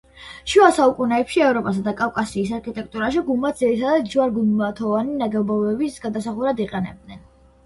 შუა საუკუნეებში ევროპასა და კავკასიის არქიტექტურაში გუმბათს ძირითადად ჯვარ-გუმბათოვანი ნაგებობების გადასახურად იყენებდნენ.